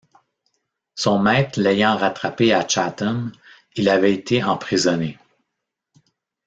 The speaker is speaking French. Son maître l’ayant rattrapé à Chatham, il avait été emprisonné.